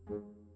astaga ini masih